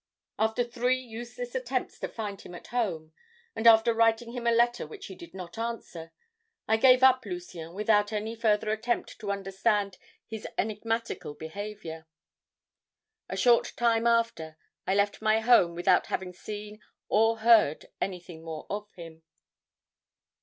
"After three useless attempts to find him at home, and after writing him a letter which he did not answer, I gave up Lucien without any further attempt to understand his enigmatical behavior. A short time after, I left for my home without having seen or heard anything more of him.